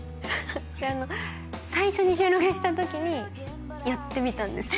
これあの最初に収録した時にやってみたんですよ